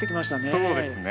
そうですね。